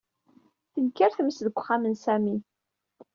Tenker tmes deg uxxam n Sami.